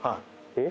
えっ？